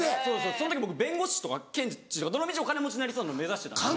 その時僕弁護士とか検事とかどの道お金持ちになりそうなの目指してた。